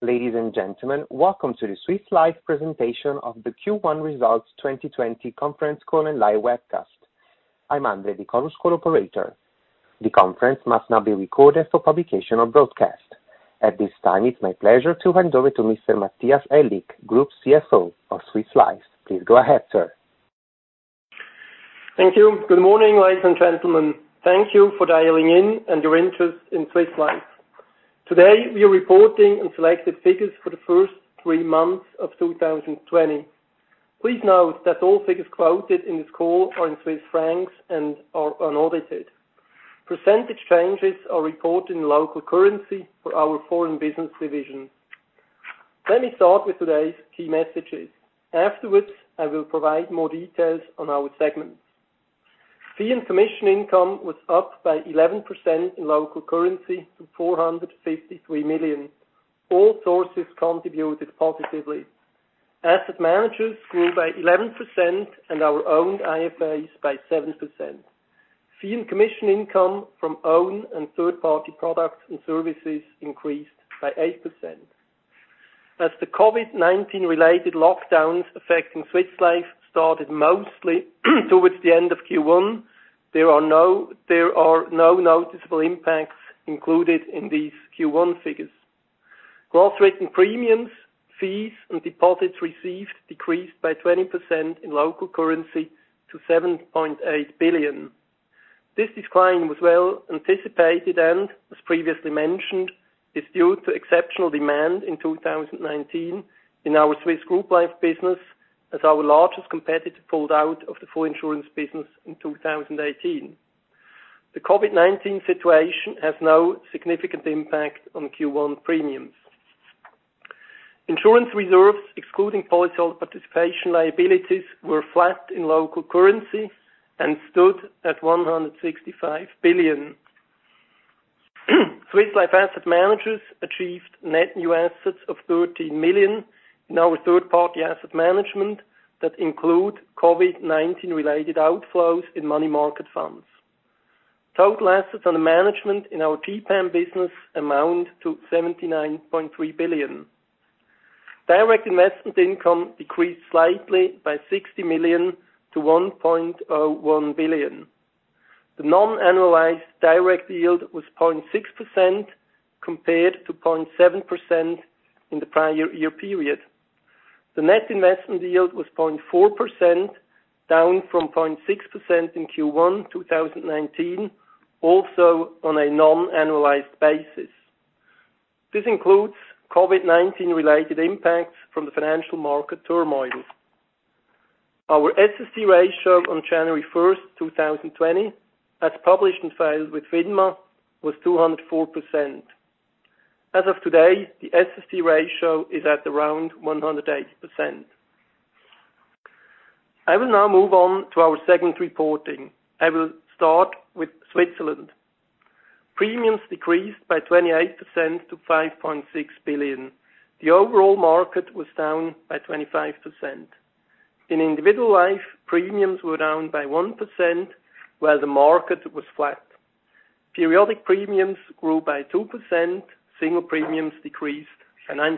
Ladies and gentlemen, welcome to the Swiss Life Presentation Of The Q1 Results 2020 Conference Call And Live Webcast. I'm Andre, the conference call operator. The conference must not be recorded for publication or broadcast. At this time, it's my pleasure to hand over to Mr. Matthias Aellig, Group CFO of Swiss Life. Please go ahead, sir. Thank you. Good morning, ladies and gentlemen. Thank you for dialing in and your interest in Swiss Life. Today, we are reporting on selected figures for the first three months of 2020. Please note that all figures quoted in this call are in CHF and are unaudited. Percentage changes are reported in local currency for our foreign business division. Let me start with today's key messages. Afterwards, I will provide more details on our segments. Fee and commission income was up by 11% in local currency to 453 million. All sources contributed positively. Asset Managers grew by 11% and our owned IFAs by 7%. Fee and commission income from owned and third-party products and services increased by 8%. As the COVID-19 related lockdowns affecting Swiss Life started mostly towards the end of Q1, there are no noticeable impacts included in these Q1 figures. Gross written premiums, fees, and deposits received decreased by 20% in local currency to 7.8 billion. This decline was well anticipated and, as previously mentioned, is due to exceptional demand in 2019 in our Swiss group life business as our largest competitor pulled out of the full insurance business in 2018. The COVID-19 situation has no significant impact on Q1 premiums. Insurance reserves, excluding policyholder participation liabilities, were flat in local currency and stood at 165 billion. Swiss Life Asset Managers achieved net new assets of 13 million in our third-party asset management that include COVID-19 related outflows in money market funds. Total assets under management in our TPAM business amount to 79.3 billion. Direct investment income decreased slightly by 60 million to 1.01 billion. The non-annualized direct yield was 0.6% compared to 0.7% in the prior year period. The net investment yield was 0.4%, down from 0.6% in Q1 2019, also on a non-annualized basis. This includes COVID-19 related impacts from the financial market turmoil. Our SST ratio on January 1st, 2020, as published and filed with FINMA, was 204%. As of today, the SST ratio is at around 108%. I will now move on to our segment reporting. I will start with Switzerland. Premiums decreased by 28% to 5.6 billion. The overall market was down by 25%. In individual life, premiums were down by 1%, while the market was flat. Periodic premiums grew by 2%. Single premiums decreased by 9%.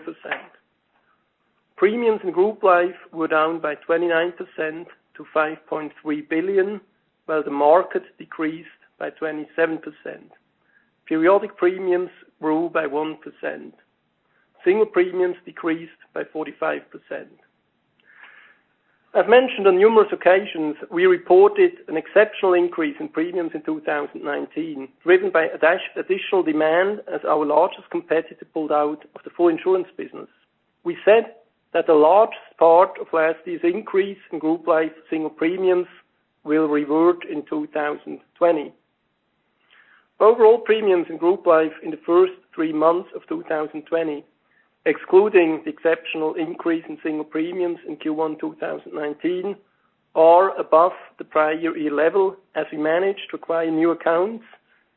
Premiums in group life were down by 29% to 5.3 billion, while the market decreased by 27%. Periodic premiums grew by 1%. Single premiums decreased by 45%. I've mentioned on numerous occasions we reported an exceptional increase in premiums in 2019, driven by additional demand as our largest competitor pulled out of the full insurance business. We said that the largest part of last year's increase in group life single premiums will revert in 2020. Overall premiums in group life in the first three months of 2020, excluding the exceptional increase in single premiums in Q1 2019, are above the prior year level, as we managed to acquire new accounts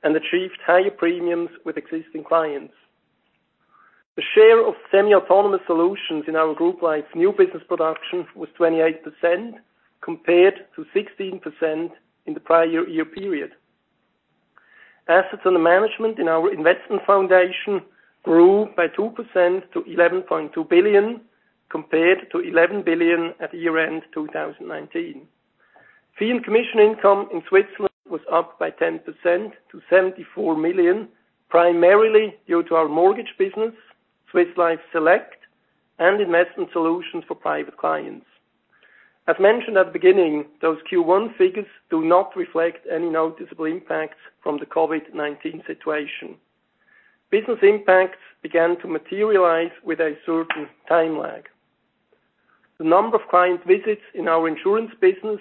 and achieved higher premiums with existing clients. The share of semi-autonomous solutions in our group life new business production was 28%, compared to 16% in the prior year period. Assets under management in our investment foundation grew by 2% to 11.2 billion, compared to 11 billion at year-end 2019. Fee and commission income in Switzerland was up by 10% to 74 million, primarily due to our mortgage business, Swiss Life Select, and investment solutions for private clients. As mentioned at the beginning, those Q1 figures do not reflect any noticeable impacts from the COVID-19 situation. Business impacts began to materialize with a certain time lag. The number of client visits in our insurance business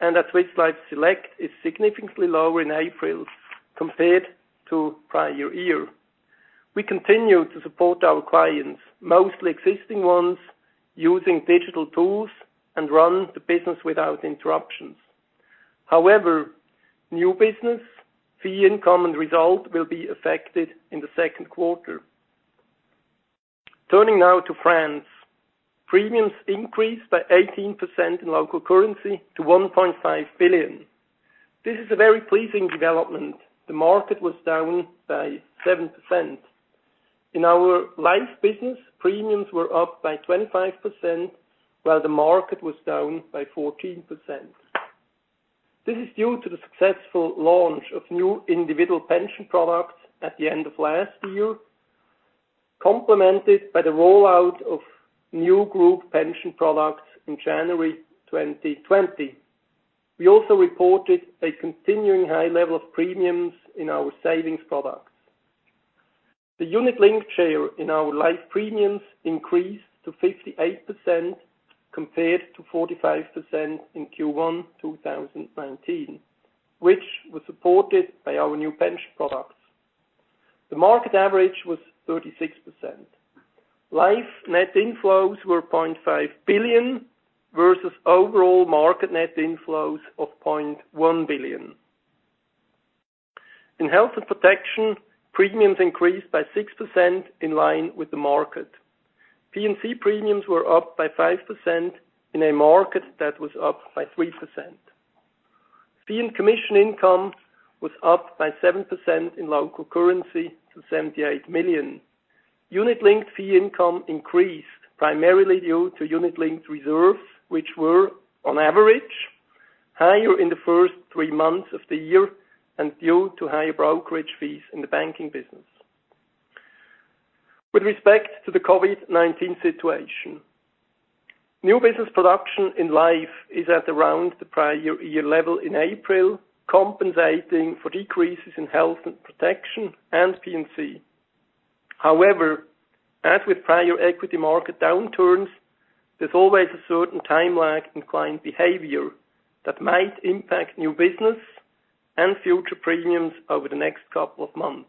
and at Swiss Life Select is significantly lower in April compared to prior year. We continue to support our clients, mostly existing ones, using digital tools and run the business without interruptions. New business fee and commission result will be affected in the second quarter. Turning now to France. Premiums increased by 18% in local currency to 1.5 billion. This is a very pleasing development. The market was down by 7%. In our life business, premiums were up by 25%, while the market was down by 14%. This is due to the successful launch of new individual pension products at the end of last year, complemented by the rollout of new group pension products in January 2020. We also reported a continuing high level of premiums in our savings products. The unit-linked share in our life premiums increased to 58% compared to 45% in Q1 2019, which was supported by our new pension products. The market average was 36%. Life net inflows were 0.5 billion versus overall market net inflows of 0.1 billion. In health and protection, premiums increased by 6% in line with the market. P&C premiums were up by 5% in a market that was up by 3%. Fee and commission income was up by 7% in local currency to 78 million. Unit-linked fee income increased primarily due to unit-linked reserves, which were on average, higher in the first three months of the year and due to higher brokerage fees in the banking business. With respect to the COVID-19 situation, new business production in Life is at around the prior year level in April, compensating for decreases in health and protection and P&C. As with prior equity market downturns, there's always a certain time lag in client behavior that might impact new business and future premiums over the next couple of months.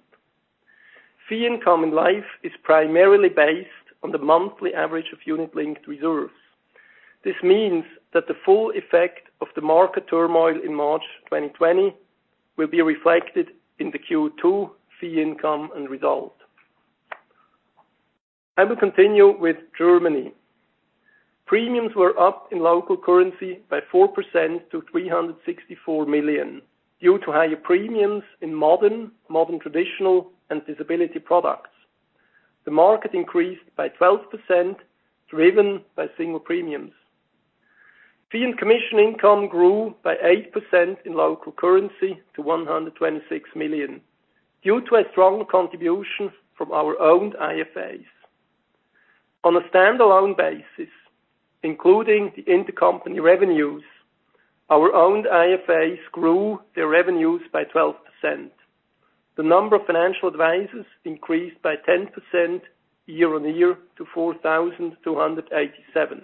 Fee income in Life is primarily based on the monthly average of unit-linked reserves. This means that the full effect of the market turmoil in March 2020 will be reflected in the Q2 fee income and result. I will continue with Germany. Premiums were up in local currency by 4% to 364 million due to higher premiums in modern traditional, and disability products. The market increased by 12%, driven by single premiums. Fee and commission income grew by 8% in local currency to 126 million due to a strong contribution from our owned IFAs. On a standalone basis, including the intercompany revenues, our owned IFAs grew their revenues by 12%. The number of financial advisors increased by 10% year-on-year to 4,287.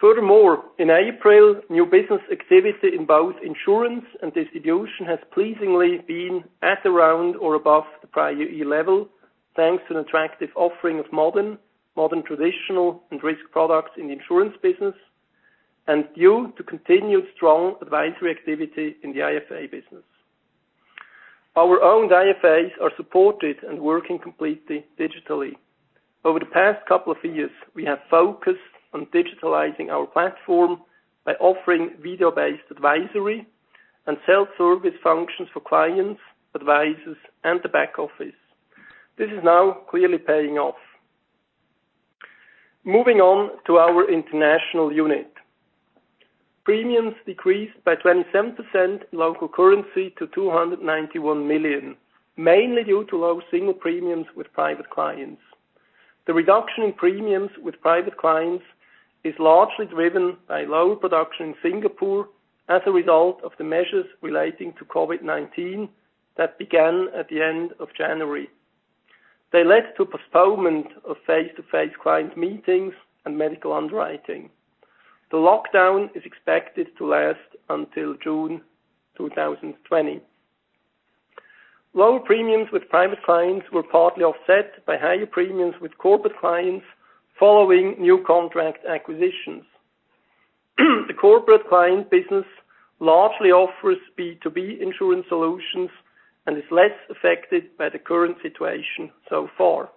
Furthermore, in April, new business activity in both insurance and distribution has pleasingly been at around or above the prior year level, thanks to an attractive offering of modern traditional, and risk products in the insurance business, and due to continued strong advisory activity in the IFA business. Our owned IFAs are supported and working completely digitally. Over the past couple of years, we have focused on digitalizing our platform by offering video-based advisory and self-service functions for clients, advisors, and the back office. This is now clearly paying off. Moving on to our international unit. Premiums decreased by 27% in local currency to 291 million, mainly due to low single premiums with private clients. The reduction in premiums with private clients is largely driven by low production in Singapore as a result of the measures relating to COVID-19 that began at the end of January. They led to postponement of face-to-face client meetings and medical underwriting. The lockdown is expected to last until June 2020. Lower premiums with private clients were partly offset by higher premiums with corporate clients following new contract acquisitions. The corporate client business largely offers B2B insurance solutions and is less affected by the current situation so far.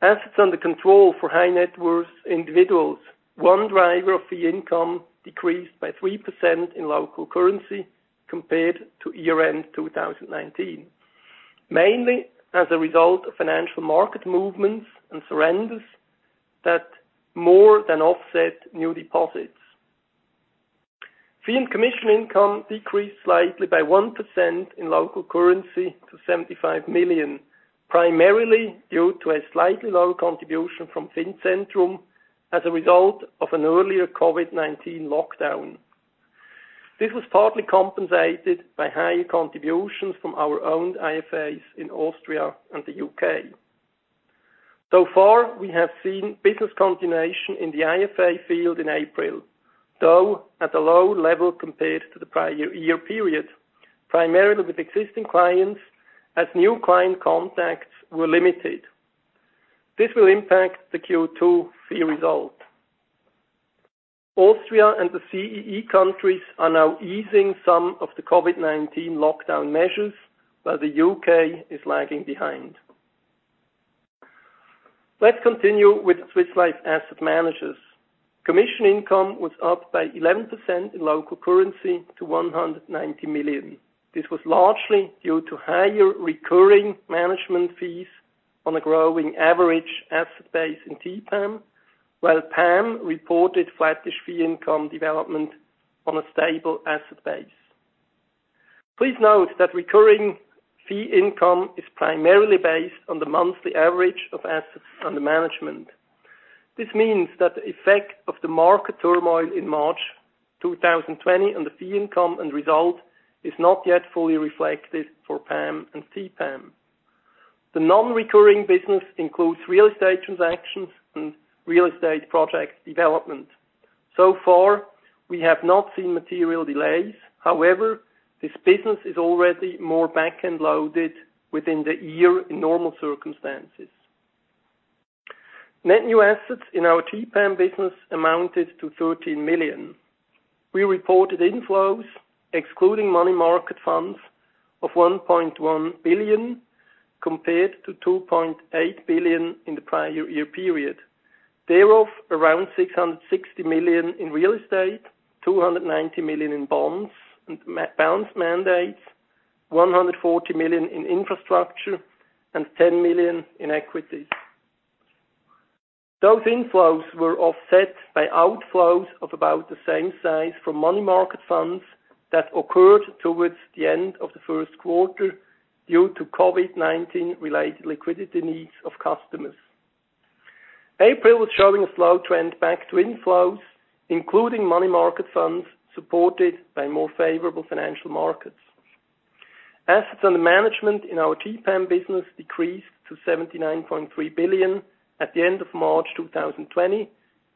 Assets under control for high net worth individuals. One driver of fee income decreased by 3% in local currency compared to year-end 2019, mainly as a result of financial market movements and surrenders that more than offset new deposits. Fee and commission income decreased slightly by 1% in local currency to 75 million, primarily due to a slightly lower contribution from Fincentrum as a result of an earlier COVID-19 lockdown. This was partly compensated by higher contributions from our owned IFAs in Austria and the U.K. So far, we have seen business continuation in the IFA field in April, though at a low level compared to the prior year period, primarily with existing clients, as new client contacts were limited. This will impact the Q2 fee result. Austria and the CEE countries are now easing some of the COVID-19 lockdown measures, while the U.K. is lagging behind. Let's continue with Swiss Life Asset Managers. Commission income was up by 11% in local currency to 190 million. This was largely due to higher recurring management fees on a growing average asset base in TPAM, while PAM reported flattish fee income development on a stable asset base. Please note that recurring fee income is primarily based on the monthly average of assets under management. This means that the effect of the market turmoil in March 2020 on the fee income and result is not yet fully reflected for PAM and TPAM. The non-recurring business includes real estate transactions and real estate project development. Far, we have not seen material delays. However, this business is already more back-end loaded within the year in normal circumstances. Net new assets in our TPAM business amounted to 13 million. We reported inflows, excluding money market funds, of 1.1 billion, compared to 2.8 billion in the prior year period. Thereof, around 660 million in real estate, 290 million in bonds mandates, 140 million in infrastructure, and 10 million in equities. Those inflows were offset by outflows of about the same size from money market funds that occurred towards the end of the first quarter due to COVID-19 related liquidity needs of customers. April was showing a slow trend back to inflows, including money market funds supported by more favorable financial markets. Assets under management in our TPAM business decreased to 79.3 billion at the end of March 2020,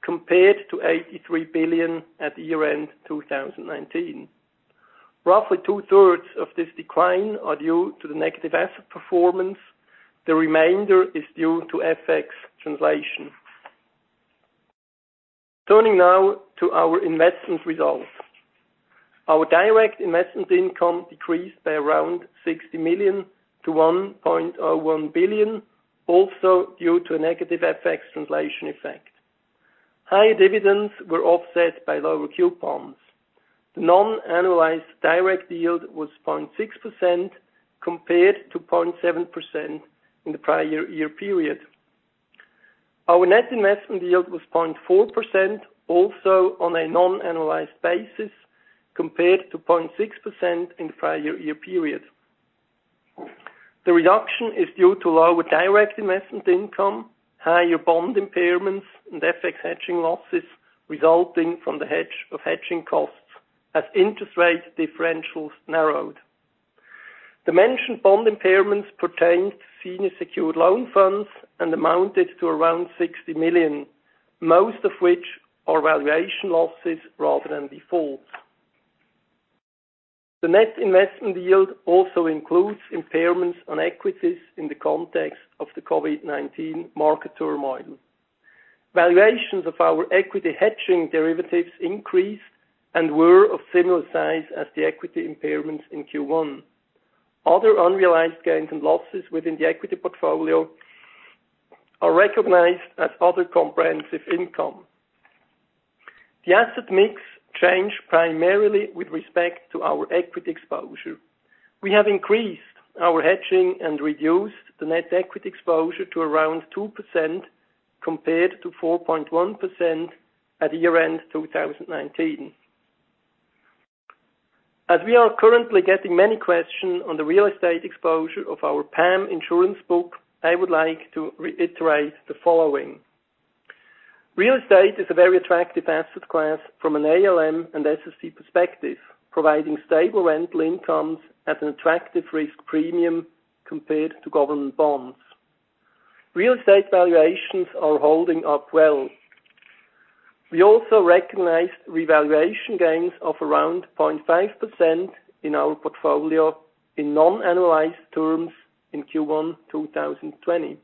compared to 83 billion at year-end 2019. Roughly two-thirds of this decline are due to the negative asset performance. The remainder is due to FX translation. Turning now to our investments results. Our direct investment income decreased by around 60 million to 1.01 billion, also due to a negative FX translation effect. High dividends were offset by lower coupons. The non-annualized direct yield was 0.6% compared to 0.7% in the prior year period. Our net investment yield was 0.4%, also on a non-annualized basis, compared to 0.6% in the prior year period. The reduction is due to lower direct investment income, higher bond impairments, and FX hedging losses resulting from the hedge of hedging costs as interest rate differentials narrowed. The mentioned bond impairments pertained to senior secured loan funds and amounted to around 60 million, most of which are valuation losses rather than defaults. The net investment yield also includes impairments on equities in the context of the COVID-19 market turmoil. Valuations of our equity hedging derivatives increased and were of similar size as the equity impairments in Q1. Other unrealized gains and losses within the equity portfolio are recognized as other comprehensive income. The asset mix changed primarily with respect to our equity exposure. We have increased our hedging and reduced the net equity exposure to around 2%, compared to 4.1% at year-end 2019. As we are currently getting many questions on the real estate exposure of our PAM insurance book, I would like to reiterate the following. Real estate is a very attractive asset class from an ALM and SST perspective, providing stable rental incomes at an attractive risk premium compared to government bonds. Real estate valuations are holding up well. We also recognized revaluation gains of around 0.5% in our portfolio in non-annualized terms in Q1 2020.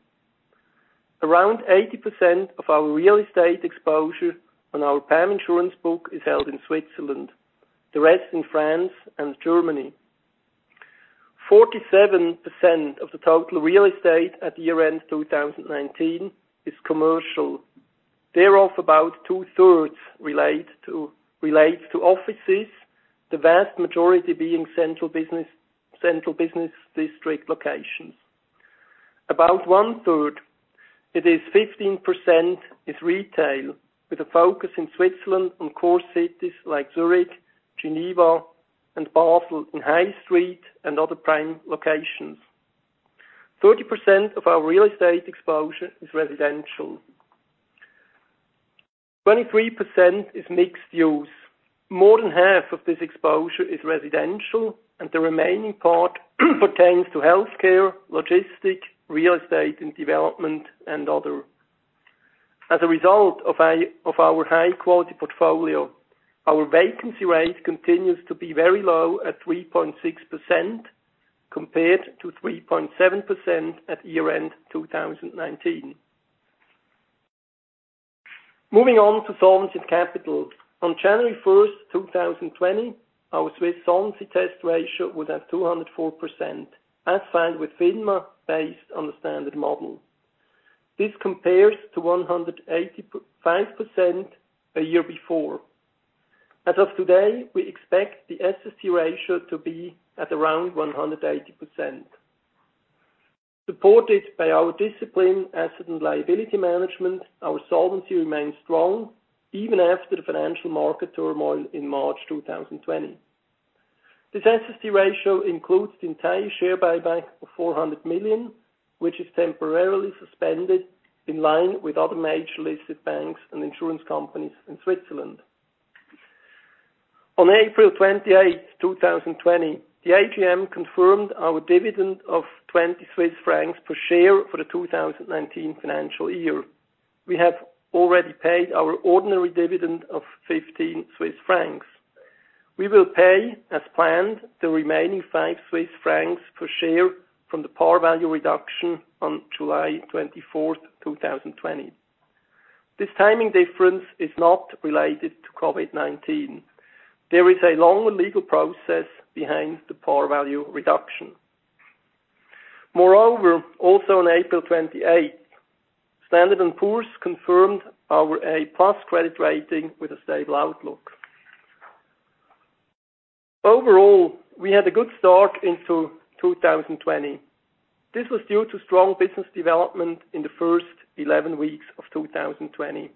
Around 80% of our real estate exposure on our PAM insurance book is held in Switzerland, the rest in France and Germany. 47% of the total real estate at year-end 2019 is commercial. Thereof, about two-thirds relates to offices, the vast majority being central business district locations. About one-third, that is 15%, is retail, with a focus in Switzerland on core cities like Zurich, Geneva, and Basel in High Street and other prime locations. 30% of our real estate exposure is residential. 23% is mixed use. More than half of this exposure is residential, and the remaining part pertains to healthcare, logistic, real estate, and development, and other. As a result of our high-quality portfolio, our vacancy rate continues to be very low at 3.6%, compared to 3.7% at year-end 2019. Moving on to solvency capital. On January 1st, 2020, our Swiss solvency test ratio was at 204%, as filed with FINMA, based on the standard model. This compares to 185% a year before. As of today, we expect the SST ratio to be at around 180%. Supported by our disciplined asset and liability management, our solvency remains strong even after the financial market turmoil in March 2020. This SST ratio includes the entire share buyback of 400 million, which is temporarily suspended in line with other major listed banks and insurance companies in Switzerland. On April 28th, 2020, the AGM confirmed our dividend of 20 Swiss francs per share for the 2019 financial year. We have already paid our ordinary dividend of 15 Swiss francs. We will pay, as planned, the remaining five CHF per share from the par value reduction on July 24th, 2020. This timing difference is not related to COVID-19. There is a long legal process behind the par value reduction. Moreover, also on April 28th, Standard & Poor's confirmed our A-plus credit rating with a stable outlook. Overall, we had a good start into 2020. This was due to strong business development in the first 11 weeks of 2020.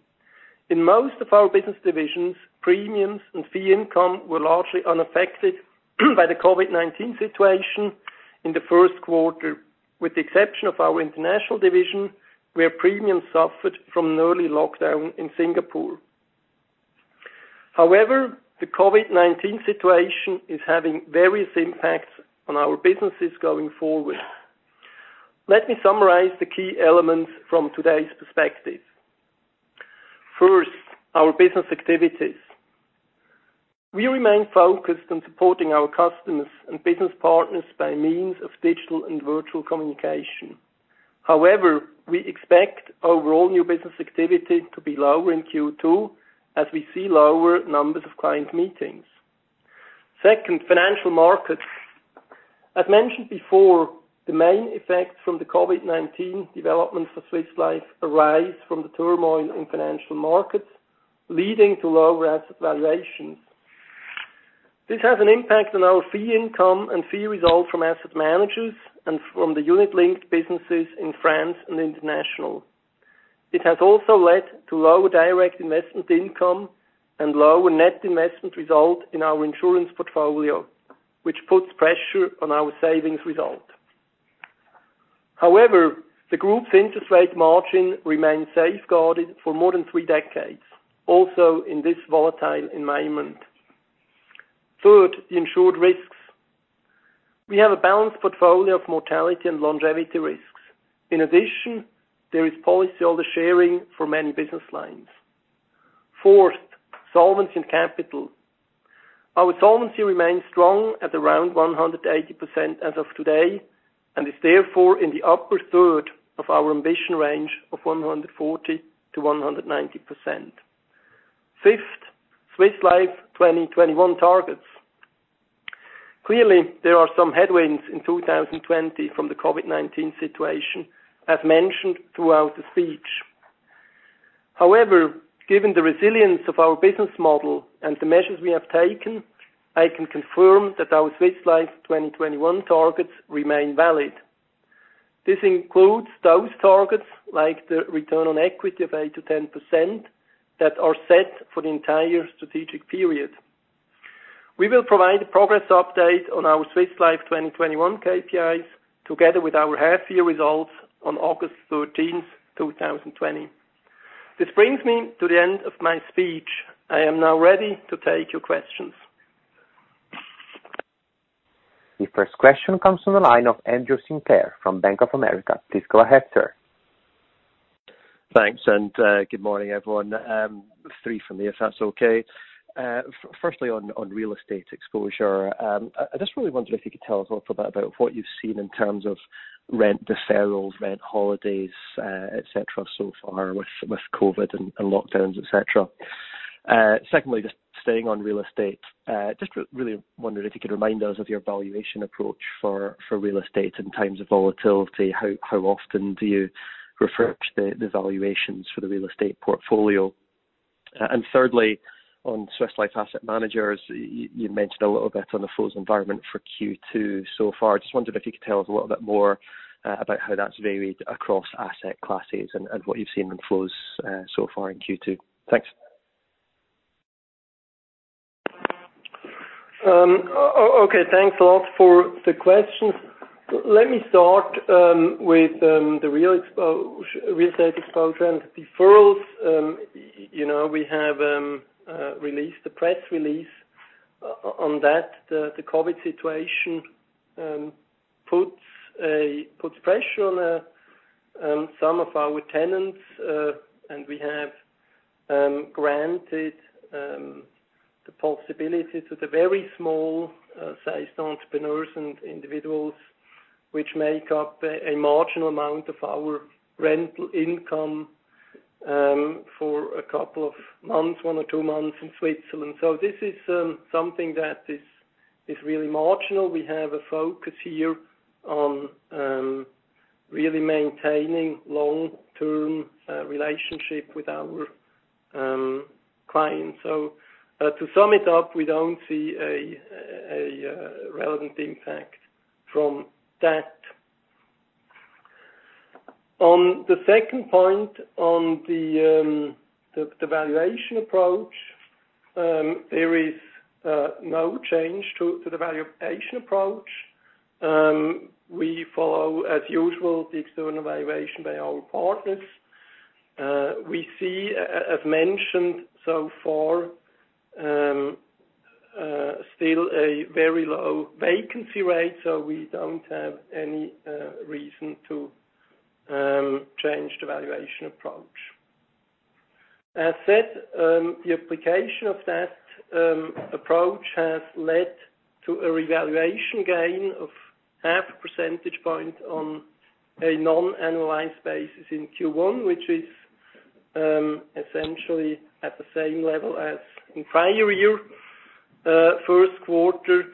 In most of our business divisions, premiums and fee income were largely unaffected by the COVID-19 situation in the first quarter, with the exception of our international division, where premiums suffered from an early lockdown in Singapore. The COVID-19 situation is having various impacts on our businesses going forward. Let me summarize the key elements from today's perspective. First, our business activities. We remain focused on supporting our customers and business partners by means of digital and virtual communication. We expect overall new business activity to be lower in Q2 as we see lower numbers of client meetings. Second, financial markets. As mentioned before, the main effects from the COVID-19 developments for Swiss Life arise from the turmoil in financial markets, leading to lower asset valuations. This has an impact on our fee income and fee results from Asset Managers and from the unit-linked businesses in France and international. It has also led to lower direct investment income and lower net investment result in our insurance portfolio, which puts pressure on our savings result. The group's interest rate margin remains safeguarded for more than three decades, also in this volatile environment. Third, the insured risks. We have a balanced portfolio of mortality and longevity risks. In addition, there is policyholder sharing for many business lines. Fourth, solvency and capital. Our solvency remains strong at around 180% as of today and is therefore in the upper third of our ambition range of 140%-190%. Fifth, Swiss Life 2021 targets. There are some headwinds in 2020 from the COVID-19 situation, as mentioned throughout the speech. However, given the resilience of our business model and the measures we have taken, I can confirm that our Swiss Life 2021 targets remain valid. This includes those targets, like the return on equity of 8% to 10%, that are set for the entire strategic period. We will provide a progress update on our Swiss Life 2021 KPIs together with our half-year results on August 13th, 2020. This brings me to the end of my speech. I am now ready to take your questions. The first question comes from the line of Andrew Sinclair from Bank of America. Please go ahead, sir. Thanks. Good morning, everyone. Three from me, if that's okay. Firstly, on real estate exposure. I just really wonder if you could tell us a little bit about what you've seen in terms of rent deferrals, rent holidays, et cetera, so far with COVID-19 and lockdowns, et cetera. Secondly, just staying on real estate, just really wondering if you could remind us of your valuation approach for real estate in times of volatility. How often do you refresh the valuations for the real estate portfolio? Thirdly, on Swiss Life Asset Managers, you mentioned a little bit on the flows environment for Q2 so far. I just wondered if you could tell us a little bit more about how that's varied across asset classes and what you've seen in flows so far in Q2. Thanks. Okay. Thanks a lot for the questions. Let me start with the real estate exposure and deferrals. We have released the press release on that. The COVID situation puts pressure on some of our tenants, and we have granted the possibility to the very small-sized entrepreneurs and individuals, which make up a marginal amount of our rental income, for a couple of months, one or two months in Switzerland. This is something that is really marginal. We have a focus here on really maintaining long-term relationship with our clients. To sum it up, we don't see a relevant impact from that. On the second point on the valuation approach, there is no change to the valuation approach. We follow, as usual, the external valuation by our partners. We see, as mentioned so far, still a very low vacancy rate, so we don't have any reason to change the valuation approach. As said, the application of that approach has led to a revaluation gain of half a percentage point on a non-annualized basis in Q1, which is essentially at the same level as in prior year. First quarter,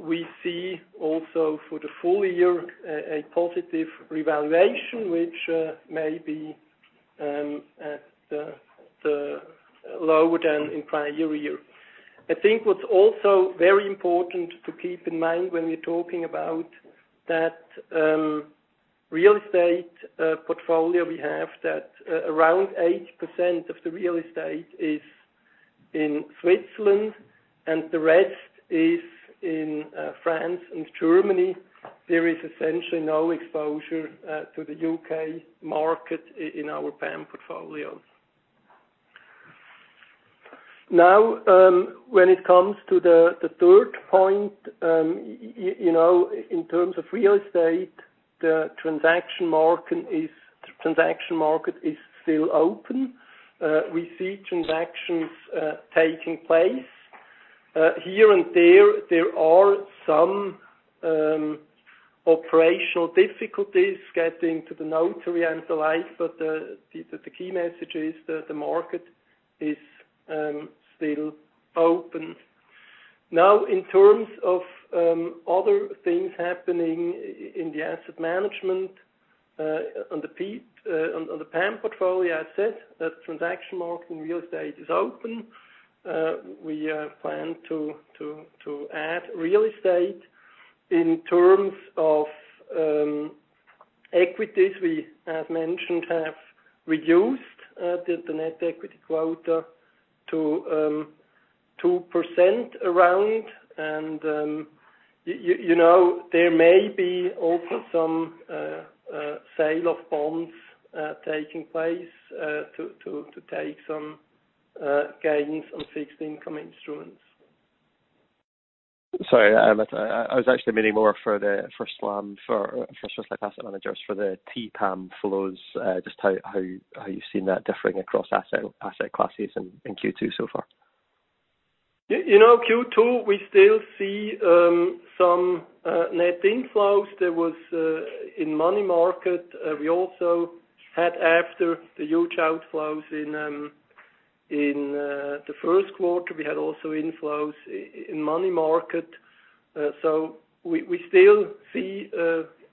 we see also for the full year, a positive revaluation, which may be at the lower than in prior year. I think what's also very important to keep in mind when we're talking about that real estate portfolio we have, that around 80% of the real estate is in Switzerland and the rest is in France and Germany. There is essentially no exposure to the U.K. market in our PAM portfolio. When it comes to the third point, in terms of real estate, the transaction market is still open. We see transactions taking place. Here and there are some operational difficulties getting to the notary and so like, but the key message is that the market is still open. In terms of other things happening in the asset management, on the PAM portfolio asset, that transaction market in real estate is open. We plan to add real estate. In terms of equities, we as mentioned, have reduced the net equity quota to 2% around. There may be also some sale of bonds taking place, to take some gains on fixed income instruments. Sorry, I was actually meaning more for SLAM, for Swiss Life Asset Managers, for the TPAM flows, just how you've seen that differing across asset classes in Q2 so far. Q2, we still see some net inflows. There was in money market. We also had after the huge outflows in the Q1, we had also inflows in money market. We still see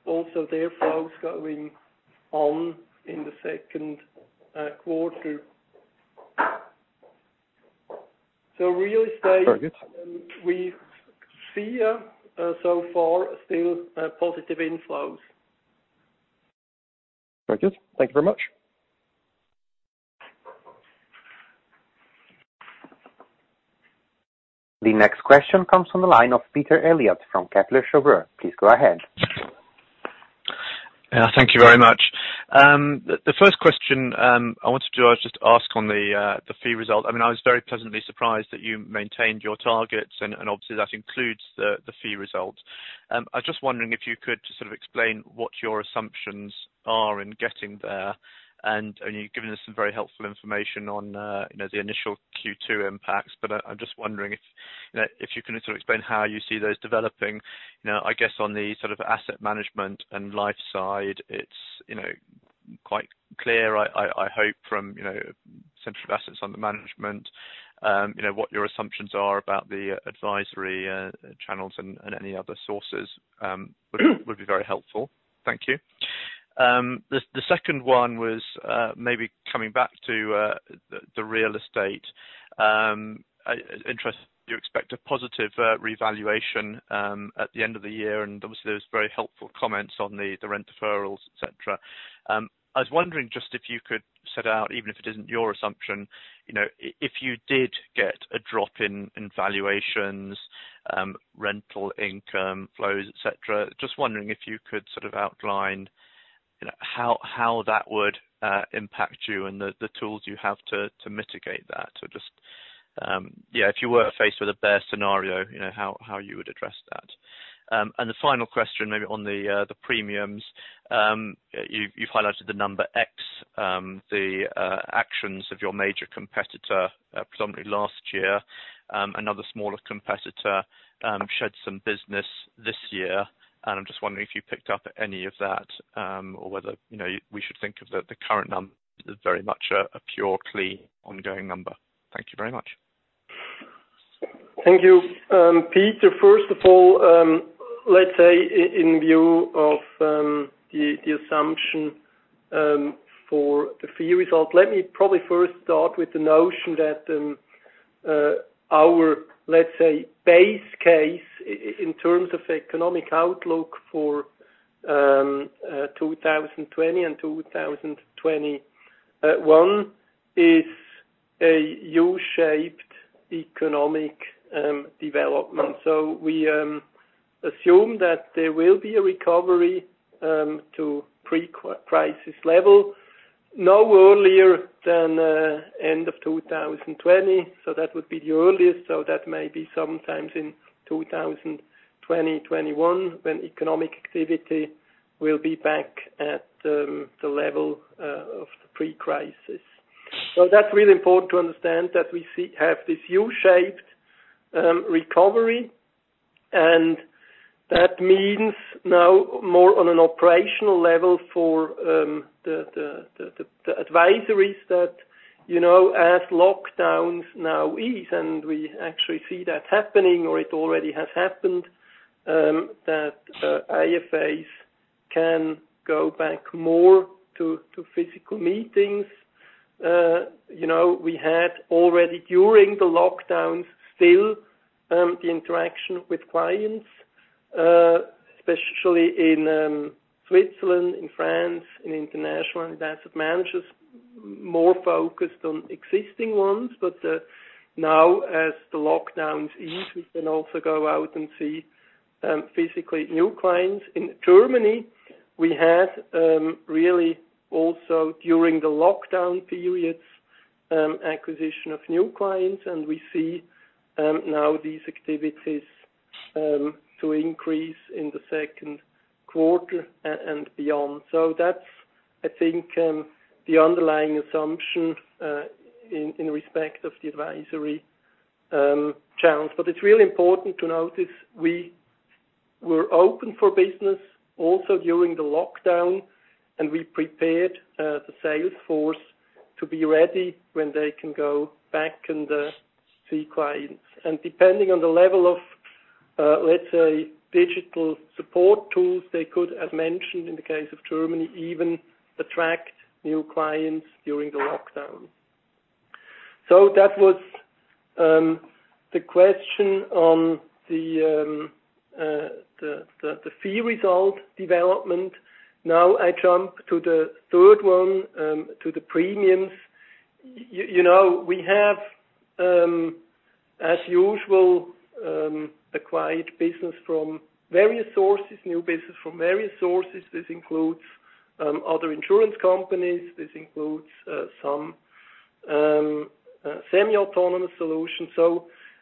also their flows going on in the Q2. Very good. we see so far still positive inflows. Very good. Thank you very much. The next question comes from the line of Peter Eliot from Kepler Cheuvreux. Please go ahead. Yeah. Thank you very much. The first question I wanted to just ask on the fee result. I was very pleasantly surprised that you maintained your targets. Obviously, that includes the fee result. I was just wondering if you could just sort of explain what your assumptions are in getting there. You've given us some very helpful information on the initial Q2 impacts. I'm just wondering if you can sort of explain how you see those developing. I guess on the sort of asset management and life side, it's quite clear, I hope from central assets under management. What your assumptions are about the advisory channels and any other sources would be very helpful. Thank you. The second one was maybe coming back to the real estate interest. You expect a positive revaluation at the end of the year, and obviously, there was very helpful comments on the rent deferrals, et cetera. I was wondering just if you could set out, even if it isn't your assumption, if you did get a drop in valuations, rental income flows, et cetera, just wondering if you could sort of outline how that would impact you and the tools you have to mitigate that. Just, if you were faced with a bear scenario, how you would address that? The final question, maybe on the premiums. You've highlighted the number X, the actions of your major competitor, presumably last year. Another smaller competitor shed some business this year, and I'm just wondering if you picked up any of that or whether we should think of the current number as very much a pure clean, ongoing number. Thank you very much. Thank you, Peter. First of all, let's say in view of the assumption for the fee result, let me probably first start with the notion that our, let's say, base case in terms of economic outlook for 2020 and 2021 is a U-shaped economic development. We assume that there will be a recovery to pre-crisis level no earlier than end of 2020. That would be the earliest. That may be sometimes in 2021, when economic activity will be back at the level of the pre-crisis. That's really important to understand that we have this U-shaped recovery, and that means now more on an operational level for the advisories that, as lockdowns now ease, and we actually see that happening, or it already has happened, that IFAs can go back more to physical meetings. We had already, during the lockdowns, still the interaction with clients, especially in Switzerland, in France, in international and asset managers, more focused on existing ones. Now as the lockdowns ease, we can also go out and see physically new clients. In Germany, we had really also, during the lockdown periods, acquisition of new clients, and we see now these activities to increase in the second quarter and beyond. That's, I think, the underlying assumption in respect of the advisory challenge. It's really important to notice we were open for business also during the lockdown, and we prepared the sales force to be ready when they can go back and see clients. Depending on the level of, let's say, digital support tools, they could, as mentioned in the case of Germany, even attract new clients during the lockdown. That was the question on the fee result development. Now I jump to the third one, to the premiums. We have, as usual, acquired business from various sources, new business from various sources. This includes other insurance companies. This includes some semi-autonomous solutions.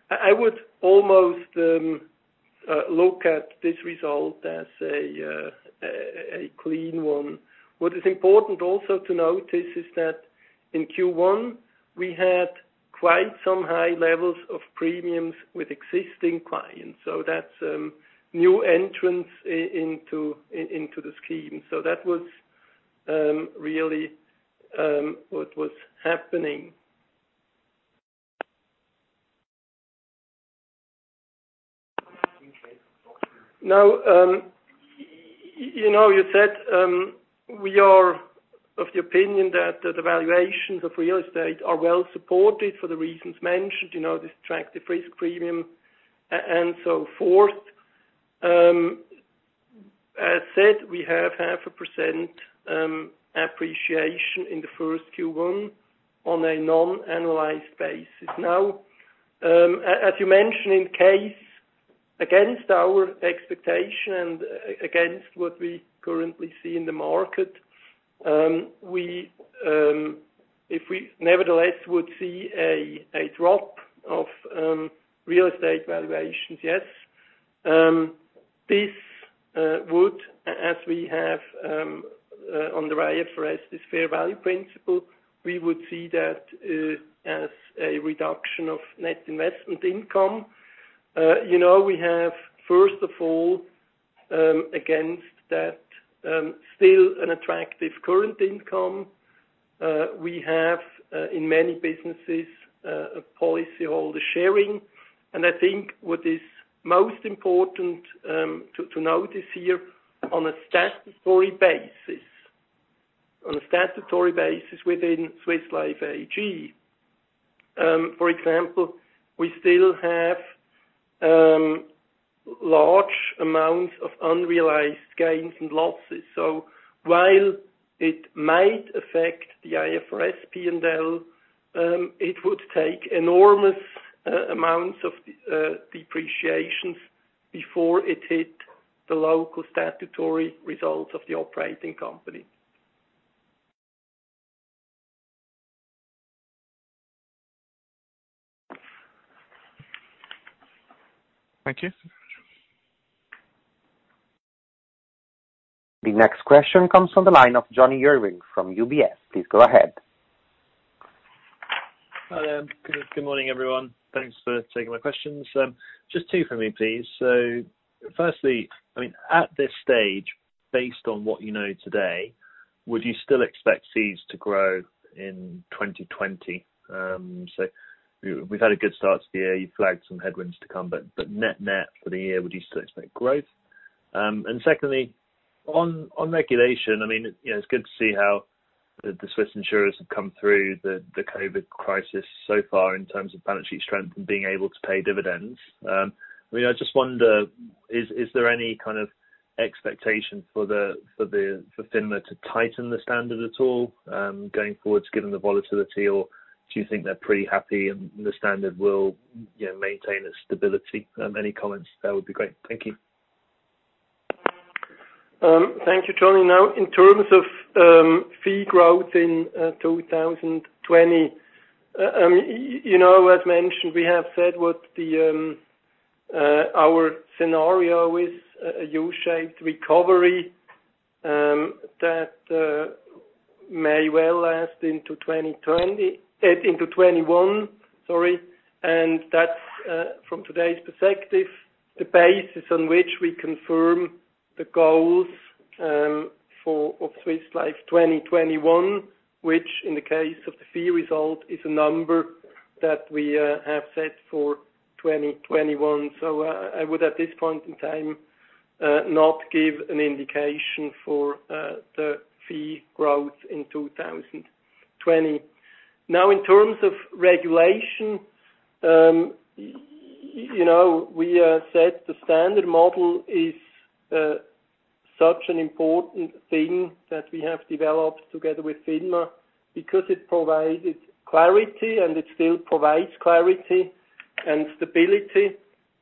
I would almost look at this result as a clean one. What is important also to notice is that in Q1, we had quite some high levels of premiums with existing clients. That's new entrants into the scheme. That was really what was happening. Now, you said we are of the opinion that the valuations of real estate are well supported for the reasons mentioned, this attractive risk premium and so forth. As said, we have half a percent appreciation in the first Q1 on a non-analyzed basis. As you mentioned, in case against our expectation and against what we currently see in the market, if we nevertheless would see a drop of real estate valuations, yes, this would, as we have on the IFRS, this fair value principle, we would see that as a reduction of net investment income. We have, first of all, against that, still an attractive current income. We have, in many businesses, a policyholder sharing. I think what is most important to notice here on a statutory basis within Swiss Life AG, for example, we still have large amounts of unrealized gains and losses. While it might affect the IFRS P&L, it would take enormous amounts of depreciations before it hit the local statutory results of the operating company. Thank you. The next question comes from the line of Jonny Urwin from UBS. Please go ahead. Hello. Good morning, everyone. Thanks for taking my questions. Just two from me, please. Firstly, at this stage, based on what you know today, would you still expect fees to grow in 2020? We've had a good start to the year. You flagged some headwinds to come, but net for the year, would you still expect growth? Secondly, on regulation, it's good to see how the Swiss insurers have come through the COVID crisis so far in terms of balance sheet strength and being able to pay dividends. I just wonder, is there any kind of expectation for FINMA to tighten the standard at all, going forward, given the volatility? Do you think they're pretty happy and the standard will maintain its stability? Any comments there would be great. Thank you. Thank you, Jonny. In terms of fee growth in 2020. As mentioned, we have said what our scenario is, a U-shaped recovery, that may well last into 2021. That's, from today's perspective, the basis on which we confirm the goals of Swiss Life 2021, which in the case of the fee result, is a number that we have set for 2021. I would at this point in time, not give an indication for the fee growth in 2020. In terms of regulation, we said the standard model is such an important thing that we have developed together with FINMA because it provides clarity, and it still provides clarity and stability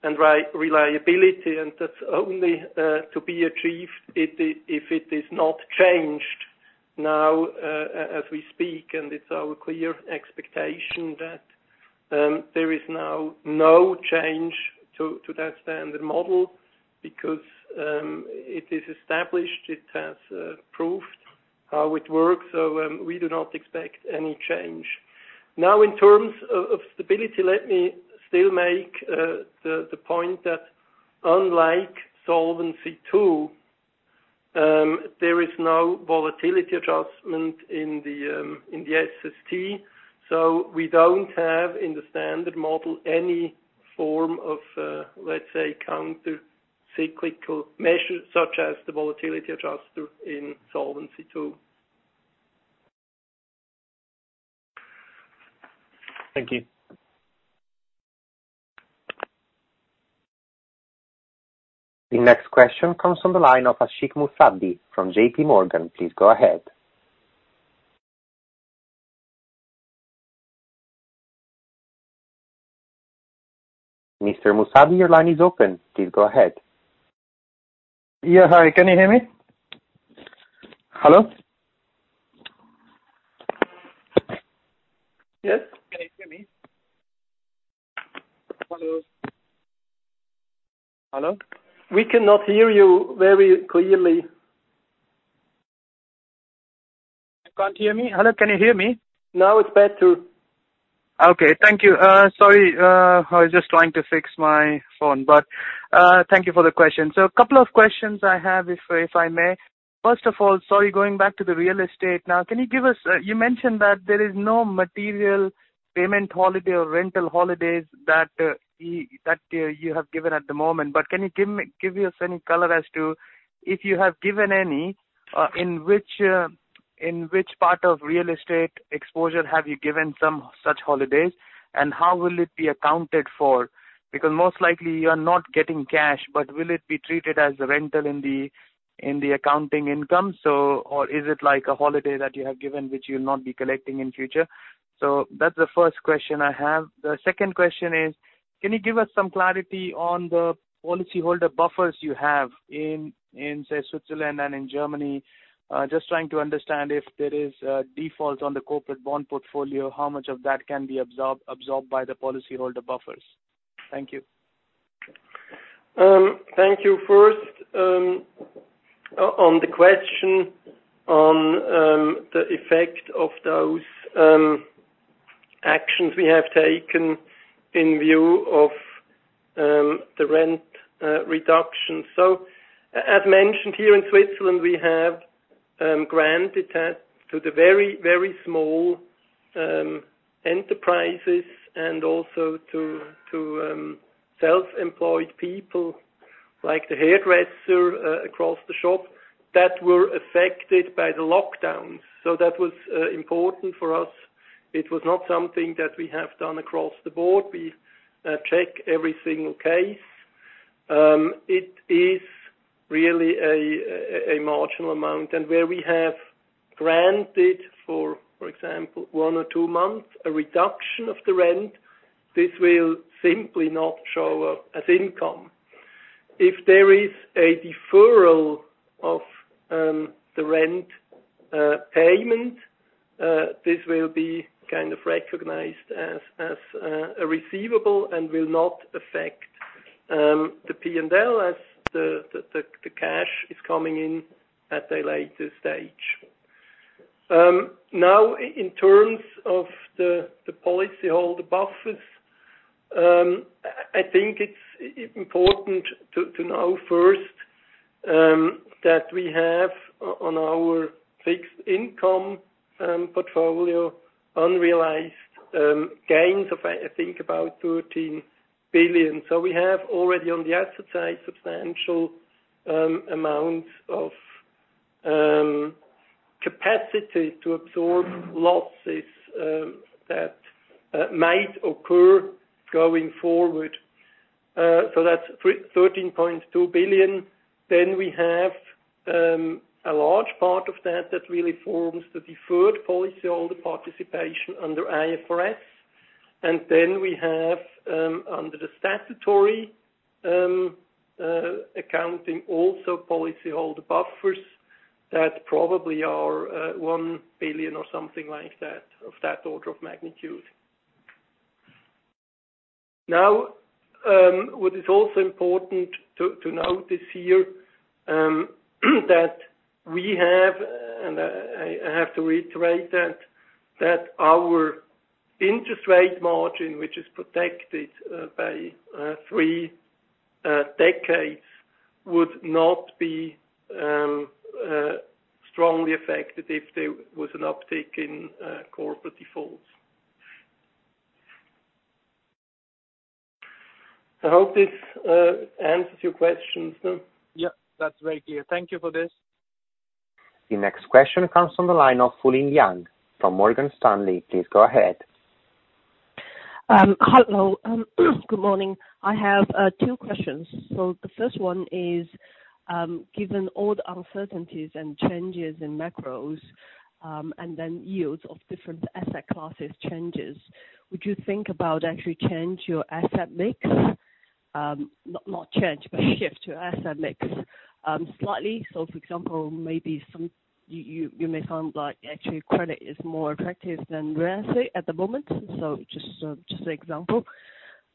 and reliability, and that's only to be achieved if it is not changed now, as we speak. It's our clear expectation that there is now no change to that standard model because it is established. It has proved how it works. We do not expect any change. In terms of stability, let me still make the point that unlike Solvency II, there is no volatility adjustment in the SST. We don't have in the standard model any form of, let's say, countercyclical measures such as the volatility adjuster in Solvency II. Thank you. The next question comes from the line of Ashik Musaddi from JPMorgan. Please go ahead. Mr. Musaddi, your line is open. Please go ahead. Yeah. Hi, can you hear me? Hello? Yes. Can you hear me? Hello. Hello? We cannot hear you very clearly. You can't hear me? Hello, can you hear me? Now it's better. Okay. Thank you. Sorry, I was just trying to fix my phone, but thank you for the question. A couple of questions I have, if I may. First of all, sorry, going back to the real estate. You mentioned that there is no material payment holiday or rental holidays that you have given at the moment, but can you give us any color as to if you have given any, in which part of real estate exposure have you given some such holidays, and how will it be accounted for? Because most likely you are not getting cash, but will it be treated as a rental in the accounting income? Or is it like a holiday that you have given, which you'll not be collecting in future? That's the first question I have. The second question is, can you give us some clarity on the policyholder buffers you have in, say, Switzerland and in Germany? Just trying to understand if there is a default on the corporate bond portfolio, how much of that can be absorbed by the policyholder buffers? Thank you. Thank you. First, on the question on the effect of those actions we have taken in view of the rent reduction. As mentioned, here in Switzerland, we have granted that to the very small enterprises and also to self-employed people like the hairdresser across the shop that were affected by the lockdowns. That was important for us. It was not something that we have done across the board. We check every single case. It is really a marginal amount. Where we have granted, for example, one or two months, a reduction of the rent, this will simply not show up as income. If there is a deferral of the rent payment, this will be recognized as a receivable and will not affect the P&L as the cash is coming in at a later stage. In terms of the policyholder buffers, I think it's important to know first that we have on our fixed income portfolio unrealized gains of, I think about 13 billion. We have already on the asset side, substantial amounts of capacity to absorb losses that might occur going forward. That's 13.2 billion. We have a large part of that really forms the deferred policyholder participation under IFRS. We have under the statutory accounting also policyholder buffers that probably are 1 billion or something like that, of that order of magnitude. What is also important to note is here, that we have, and I have to reiterate that our interest rate margin, which is protected by three decades, would not be strongly affected if there was an uptick in corporate defaults. I hope this answers your questions. Yeah. That's very clear. Thank you for this. The next question comes from the line of Fulin Liang from Morgan Stanley. Please go ahead. Hello. Good morning. I have two questions. The first one is, given all the uncertainties and changes in macros, and then yields of different asset classes changes, would you think about actually change your asset mix? Not change, but shift your asset mix slightly. For example, maybe you may find like actually credit is more attractive than real estate at the moment. Just an example.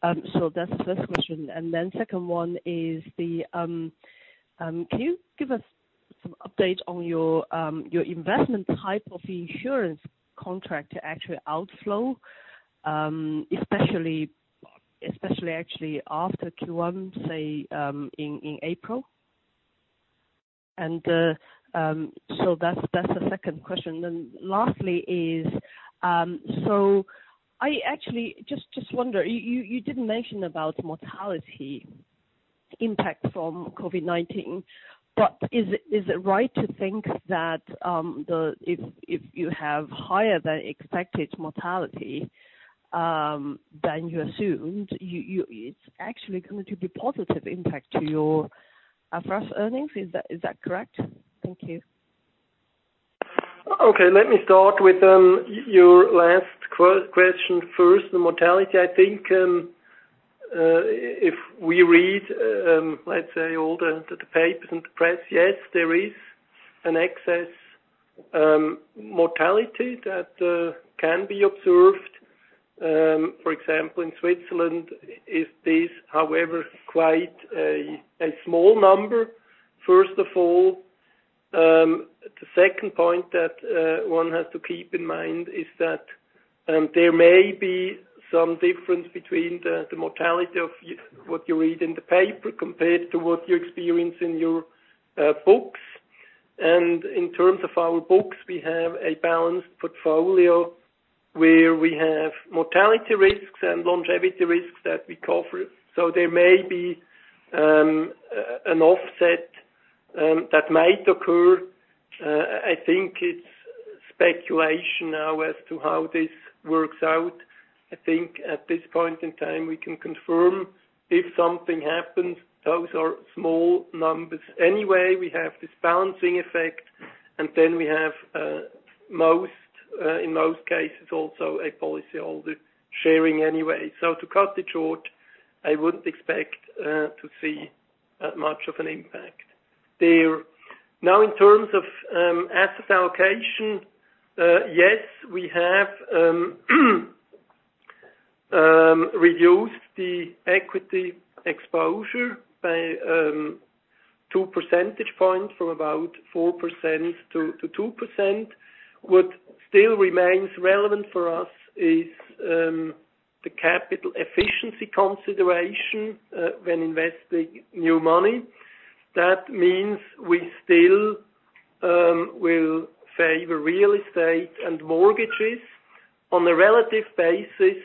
That's the first question. Second one is, can you give us some update on your investment type of insurance contract actual outflow? Especially actually after Q1 say, in April. That's the second question. Lastly is, I actually just wonder, you didn't mention about mortality impact from COVID-19. Is it right to think that if you have higher than expected mortality than you assumed, it's actually going to be positive impact to your IFRS earnings? Is that correct? Thank you. Okay. Let me start with your last question first, the mortality. I think, if we read, let's say all the papers and the press, yes, there is an excess mortality that can be observed. For example, in Switzerland, is this however, quite a small number, first of all. The second point that one has to keep in mind is that there may be some difference between the mortality of what you read in the paper compared to what you experience in your books. In terms of our books, we have a balanced portfolio where we have mortality risks and longevity risks that we cover. There may be an offset that might occur. I think it's speculation now as to how this works out. I think at this point in time, we can confirm if something happens, those are small numbers anyway. We have this balancing effect, then we have in most cases, also a policyholder sharing anyway. To cut it short, I wouldn't expect to see that much of an impact there. In terms of asset allocation, yes, we have reduced the equity exposure by two percentage points from about 4%-2%. What still remains relevant for us is the capital efficiency consideration when investing new money. That means we still will favor real estate and mortgages. On a relative basis,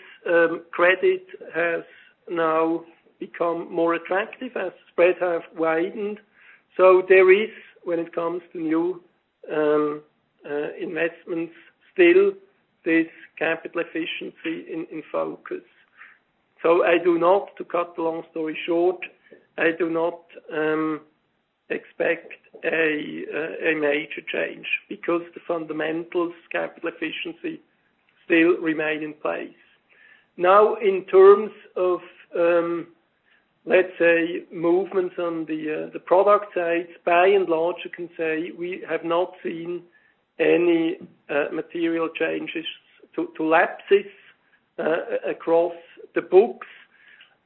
credit has now become more attractive as spreads have widened. There is, when it comes to new investments, still this capital efficiency in focus. I do not, to cut the long story short, I do not expect a major change because the fundamentals capital efficiency still remain in place. In terms of, let's say, movements on the product side, by and large, you can say we have not seen any material changes to lapses across the books.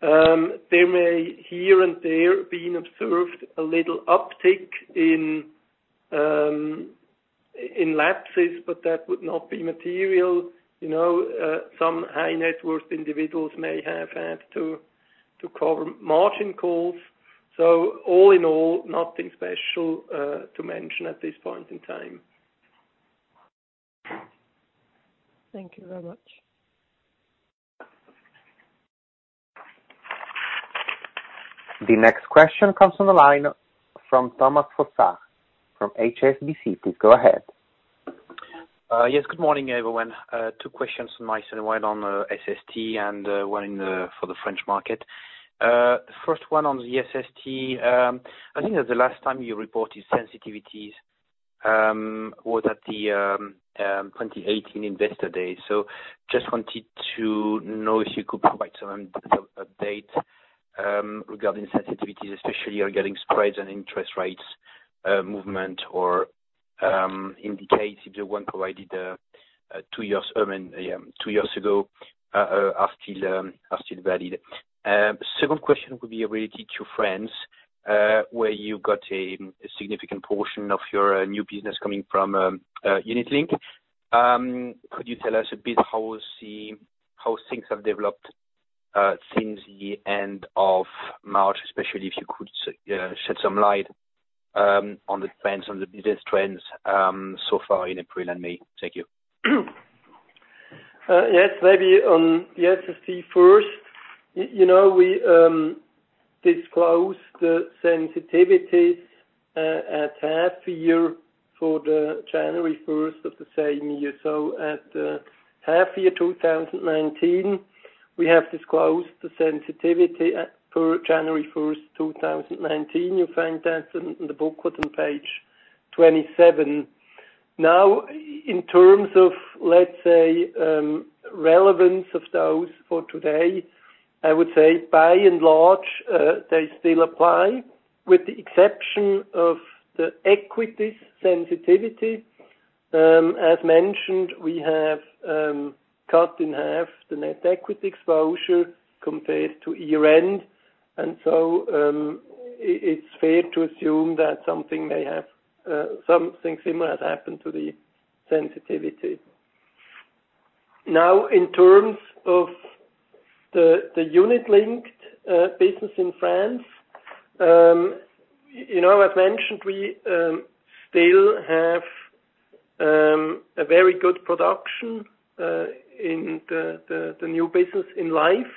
There may here and there been observed a little uptick in lapses, but that would not be material. Some high net worth individuals may have had to cover margin calls. All in all, nothing special to mention at this point in time. Thank you very much. The next question comes on the line from Thomas FOSSARD of HSBC. Please go ahead. Yes. Good morning, everyone. Two questions, one on SST and one for the French market. First one on the SST. I think that the last time you reported sensitivities was at the 2018 investor day. Just wanted to know if you could provide some update regarding sensitivities, especially regarding spreads and interest rates, movement or indicate if the one provided two years ago are still valid. Second question would be related to France, where you got a significant portion of your new business coming from unit-linked. Could you tell us a bit how things have developed since the end of March, especially if you could shed some light on the business trends so far in April and May? Thank you. Maybe on the SST first. We disclose the sensitivities at half year for the January 1st of the same year. At half year 2019, we have disclosed the sensitivity at January 1st, 2019. You'll find that in the booklet on page 27. In terms of relevance of those for today, I would say by and large, they still apply with the exception of the equities sensitivity. As mentioned, we have cut in half the net equity exposure compared to year-end, and so it's fair to assume that something similar has happened to the sensitivity. In terms of the unit-linked business in France. I've mentioned we still have a very good production in the new business in Life.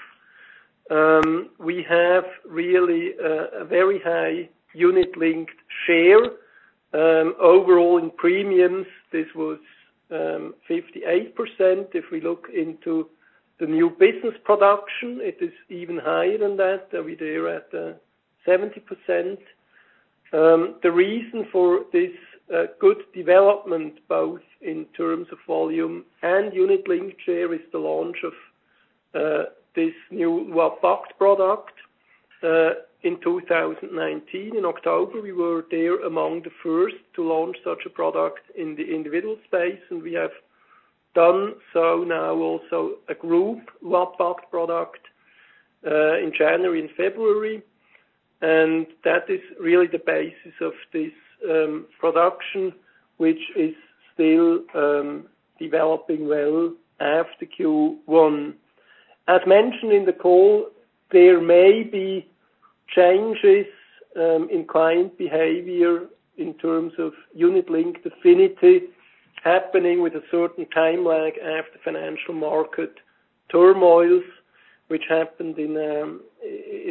We have really a very high unit-linked share. Overall, in premiums, this was 58%. If we look into the new business production, it is even higher than that. We're there at 70%. The reason for this good development, both in terms of volume and unit-linked share, is the launch of this new Wealth-Box product. In 2019, in October, we were there among the first to launch such a product in the individual space, we have done so now also a group Wealth-Box product in January and February. That is really the basis of this production, which is still developing well after Q1. As mentioned in the call, there may be changes in client behavior in terms of unit-linked affinity happening with a certain time lag after financial market turmoils, which happened in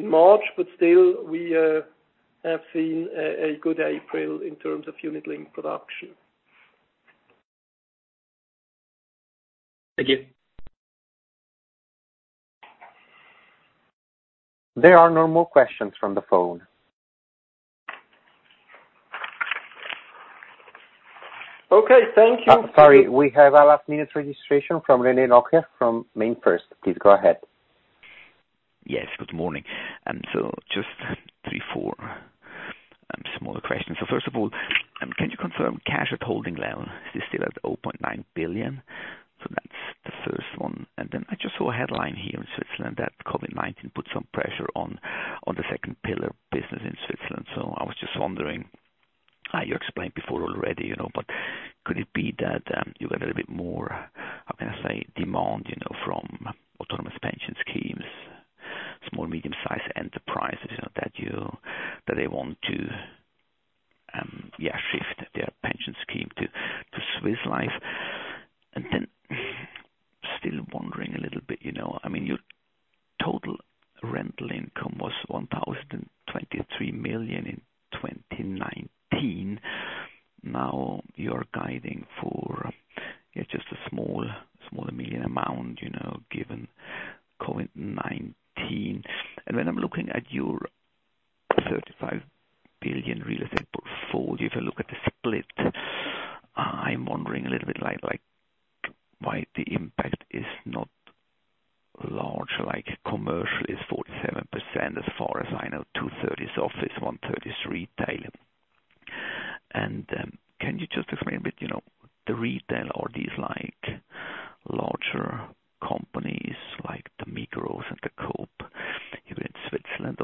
March. Still, we have seen a good April in terms of unit-linked production. Thank you. There are no more questions from the phone. Okay. Thank you. Sorry. We have a last-minute registration from René Locher from MainFirst. Please go ahead. Yes. Good morning. Just three, four small questions. First of all, can you confirm cash at holding level? Is it still at 0.9 billion? That's the first one. Then I just saw a headline here in Switzerland that COVID-19 put some pressure on the second pillar business in Switzerland. I was just wondering, you explained before already, but could it be that you got a little bit more, how can I say, demand from autonomous pension schemes, small, medium-sized enterprises, that they want to shift their pension scheme to Swiss Life? Then still wondering a little bit, your total rental income was 1,023 million in 2019. Now you're guiding for just a small million amount, given COVID-19. When I'm looking at your 35 billion real estate portfolio, if I look at the split, I'm wondering a little bit why the impact is not large. Commercial is 47%. As far as I know, two-thirds is office, 130 is retail. Can you just explain a bit, the retail or these larger companies like the Migros and the Coop here in Switzerland?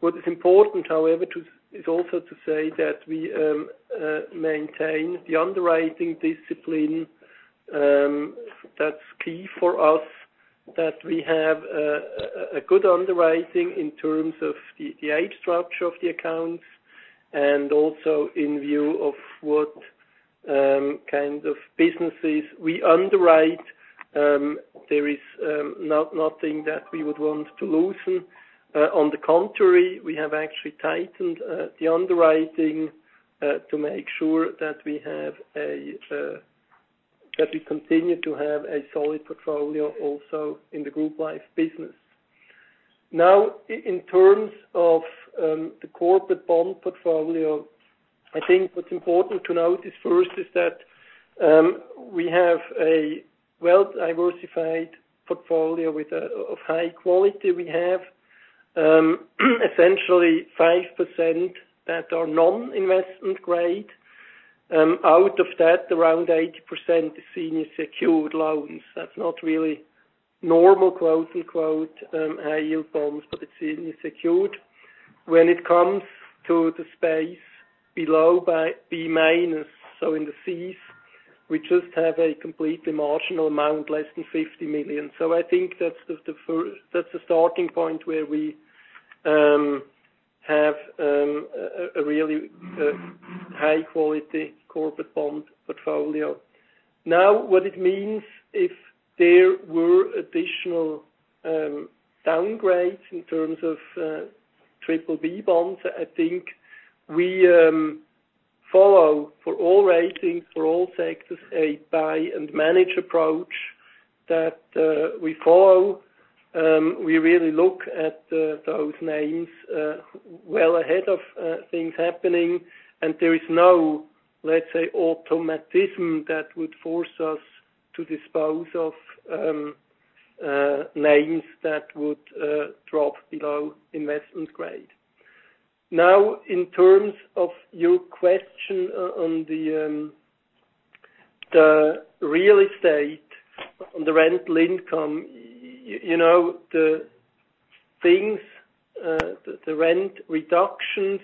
What is important, however, is also to say that we maintain the underwriting discipline. That's key for us, that we have a good underwriting in terms of the age structure of the accounts, and also in view of what kind of businesses we underwrite. There is nothing that we would want to loosen. On the contrary, we have actually tightened the underwriting to make sure that we continue to have a solid portfolio also in the group life business. Now, in terms of the corporate bond portfolio, I think what's important to note is first is that we have a well-diversified portfolio of high quality. We have essentially 5% that are non-investment grade. Out of that, around 80% is senior secured loans. That's not really normal, quote-unquote, yield bonds, but it's senior secured. When it comes to the space below by B-, so in the Cs, we just have a completely marginal amount, less than 50 million. I think that's the starting point where we have a really high-quality corporate bond portfolio. What it means if there were additional downgrades in terms of triple B bonds, I think we follow for all ratings, for all sectors, a buy and manage approach that we follow. We really look at those names well ahead of things happening, and there is no, let's say, automatism that would force us to dispose of names that would drop below investment grade. In terms of your question on the real estate, on the rental income. The rent reductions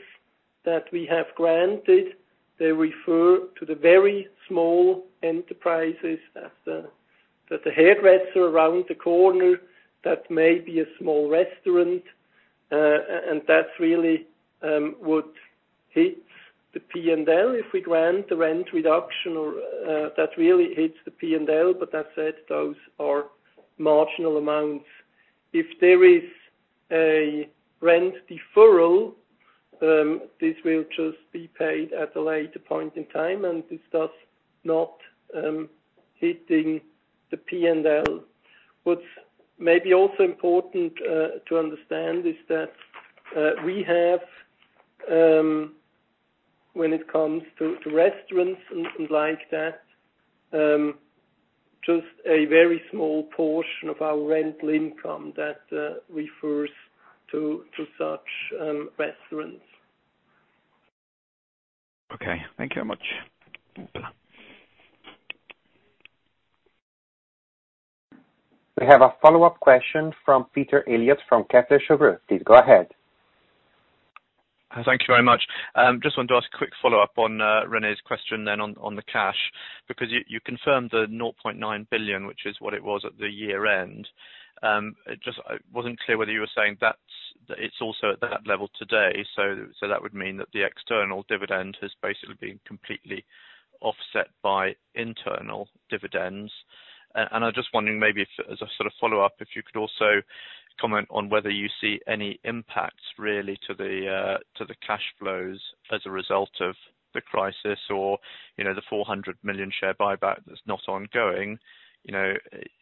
that we have granted, they refer to the very small enterprises. That's a hairdresser around the corner, that may be a small restaurant, and that really would hit the P&L if we grant the rent reduction. That really hits the P&L, but that said, those are marginal amounts. If there is a rent deferral, this will just be paid at a later point in time, and this does not hit the P&L. What's maybe also important to understand is that we have, when it comes to restaurants and like that, just a very small portion of our rental income that refers to such restaurants. Okay. Thank you very much. We have a follow-up question from Peter Eliot from Kepler Cheuvreux. Please go ahead. Thank you very much. Just wanted to ask a quick follow-up on René's question then on the cash. You confirmed the 0.9 billion, which is what it was at the year-end. It just wasn't clear whether you were saying that it's also at that level today. That would mean that the external dividend has basically been completely offset by internal dividends. I'm just wondering maybe if, as a sort of follow-up, if you could also comment on whether you see any impacts really to the cash flows as a result of the crisis or the 400 million share buyback that's not ongoing.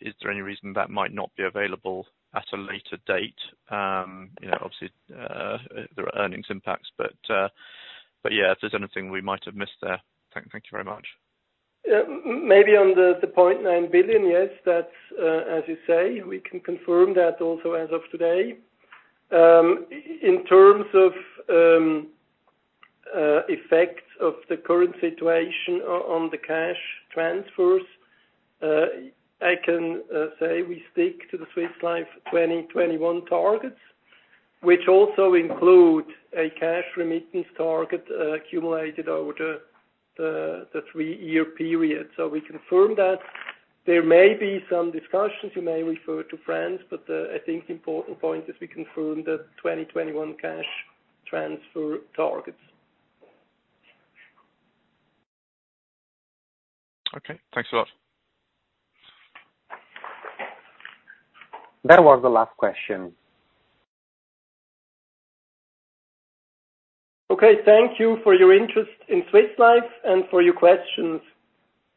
Is there any reason that might not be available at a later date? Obviously, there are earnings impacts, yeah, if there's anything we might have missed there. Thank you very much. Maybe on the 0.9 billion, yes. That's, as you say, we can confirm that also as of today. In terms of effects of the current situation on the cash transfers, I can say we stick to the Swiss Life 2021 targets, which also include a cash remittance target accumulated over the three-year period. We confirm that there may be some discussions you may refer to France, but I think the important point is we confirm the 2021 cash transfer targets. Okay. Thanks a lot. That was the last question. Okay, thank you for your interest in Swiss Life and for your questions.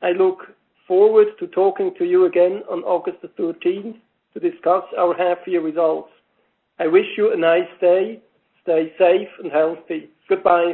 I look forward to talking to you again on August the 13th to discuss our half-year results. I wish you a nice day. Stay safe and healthy. Goodbye.